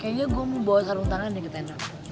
kayaknya gue mau bawa sarung tangan deh ke tenda